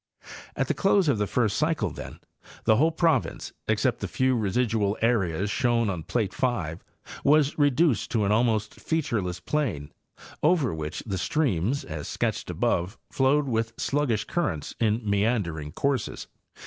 At the close of the first cycle, then, the whole province, except the few residual areas shown on plate 5, was reduced to an almost featureless plain, over which the streams, as sketched above, flowed with sluggish currents in meandering courses.